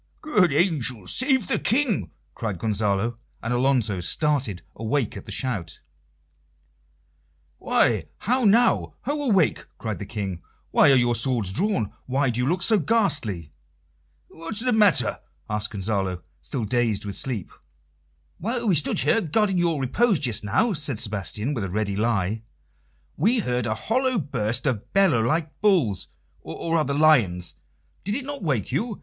"Good angels save the King!" cried Gonzalo; and Alonso started awake at the shout. "Why! how now? Ho, awake!" cried the King. "Why are your swords drawn? Why do you look so ghastly?" "What's the matter?" added Gonzalo, still dazed with sleep. "While we stood here guarding your repose just now," said Sebastian, with a ready lie, "we heard a hollow burst of bellowing like bulls, or, rather, lions. Did it not wake you?